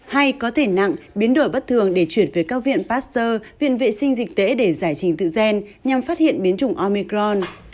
hay có thể nặng biến đổi bất thường để chuyển về các viện pasteur viện vệ sinh dịch tễ để giải trình tự gen nhằm phát hiện biến chủng omicron